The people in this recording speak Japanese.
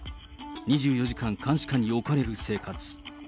２４時間監視下に置かれる生活。